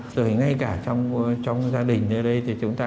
rồi ngay cả trong gia đình ở đây thì chúng ta